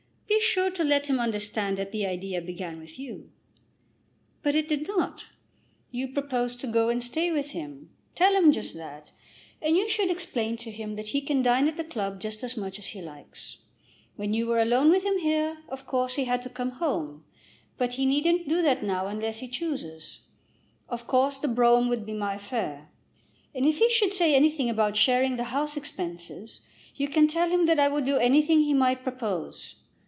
Be sure to let him understand that the idea began with you." "But it did not." "You proposed to go and stay with him. Tell him just that. And you should explain to him that he can dine at the club just as much as he likes. When you were alone with him here, of course he had to come home; but he needn't do that now unless he chooses. Of course the brougham would be my affair. And if he should say anything about sharing the house expenses, you can tell him that I would do anything he might propose."